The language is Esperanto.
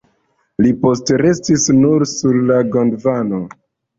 Ili postrestis nur sur la Gondvano.